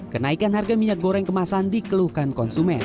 kenaikan harga minyak goreng kemasan dikeluhkan konsumen